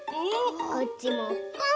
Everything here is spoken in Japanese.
こっちもポン！